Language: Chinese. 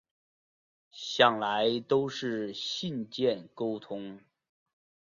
向来都是信件沟通